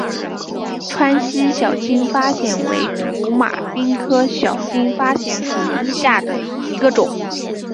川西小金发藓为土马鬃科小金发藓属下的一个种。